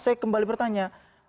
saya kembali bertanya